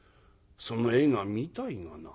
その絵が見たいがな」。